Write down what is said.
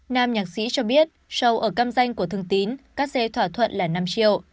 nam nhạc sĩ cho biết show ở cam danh của thương tín cắt xe thỏa thuận là năm triệu